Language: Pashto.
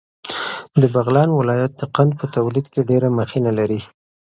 د بغلان ولایت د قند په تولید کې ډېره مخینه لري.